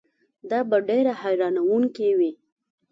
دا به ډېره حیرانوونکې وي.